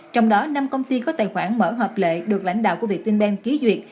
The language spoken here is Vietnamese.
trong đó năm công ty có tài khoản mở hợp lệ được lãnh đạo của việt tin bank ký duyệt